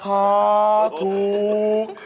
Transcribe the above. ข้าวอร่อย